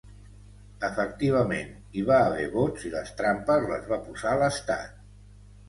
Efectivament, hi va haver vots i les trampes les va posar l’estat.